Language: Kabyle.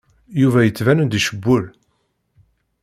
Yuba yettban-d icewwel.